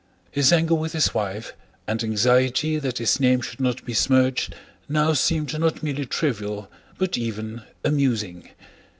His anger with his wife and anxiety that his name should not be smirched now seemed not merely trivial but even amusing.